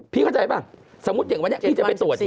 เข้าใจป่ะสมมุติอย่างวันนี้พี่จะไปตรวจ